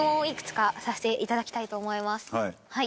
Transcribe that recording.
はい。